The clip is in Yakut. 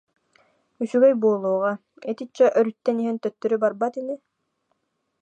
Үчүгэй буолуоҕа, итиччэ өрүттэн иһэн төттөрү барбат ини